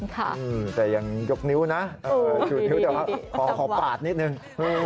แต่ยังยกนิ้วนะชูนิ้วแต่ว่าขอปาดนิดนึง